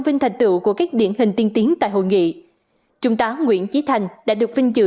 vinh thành tựu của các điển hình tiên tiến tại hội nghị trung tá nguyễn trí thành đã được vinh dự